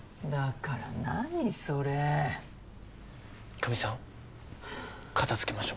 久実さん片づけましょう。